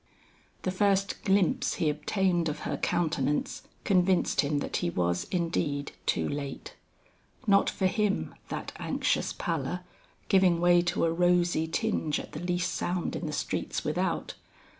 The first glimpse he obtained of her countenance, convinced him that he was indeed too late. Not for him that anxious pallor, giving way to a rosy tinge at the least sound in the streets without.